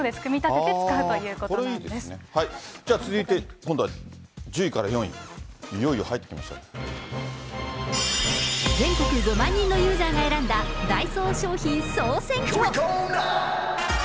じゃあ続いて、今度は１０位から４位、いよ全国５万人のユーザーが選んだ、ダイソー商品、総選挙。